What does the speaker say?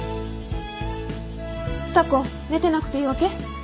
歌子寝てなくていいわけ？